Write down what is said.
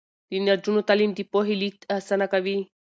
د نجونو تعلیم د پوهې لیږد اسانه کوي.